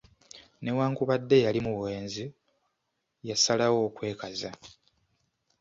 Newankubadde yali mu bwenzi, yasalawo okwekaza.